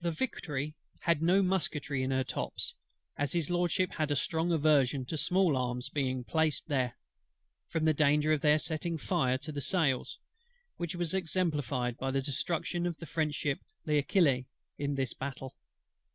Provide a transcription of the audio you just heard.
THE Victory had no musketry in her tops: as His LORDSHIP had a strong aversion to small arms being placed there, from the danger of their setting fire to the sails; which was exemplified by the destruction of the French ship L'Achille in this battle.